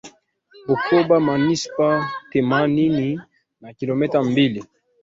Bukoba Manispaa themanini na kilometa mbili